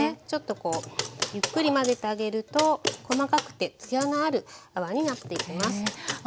ちょっとこうゆっくり混ぜてあげると細かくてつやのある泡になっていきます。